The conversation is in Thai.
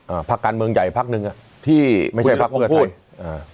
อ่าภักรการเมืองใหญ่ภักล์หนึ่งไม่ใช่ภักล์ประเภทไทย